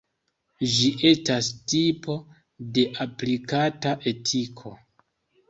Ĝi estas tipo de aplikata etiko.